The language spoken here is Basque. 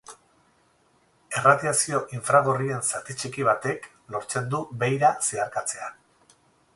Erradiazio infragorrien zati txiki batek lortzen du beira zeharkatzea.